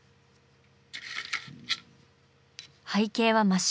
背景は真っ白。